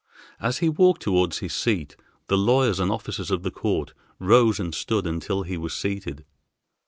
As he walked toward his seat, the lawyers and officers of the court rose and stood until he was seated.